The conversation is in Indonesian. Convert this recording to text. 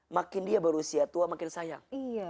makin dia berusia tua makin sayang